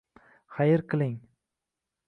Xayr qiling!